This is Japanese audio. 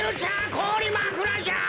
こおりまくらじゃ！